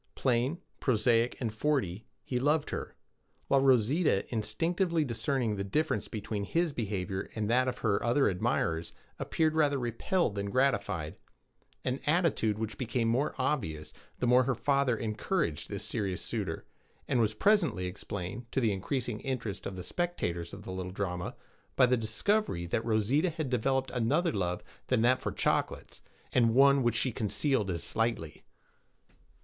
Plain, prosaic, and forty, he loved her; while Rosita, instinctively discerning the difference between his behavior and that of her other admirers, appeared rather repelled than gratified an attitude which became more obvious the more her father encouraged this serious suitor, and was presently explained, to the increasing interest of the spectators of the little drama, by the discovery that Rosita had developed another love than that for chocolates, and one which she concealed as slightly.